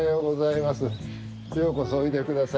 ようこそおいでくださいました。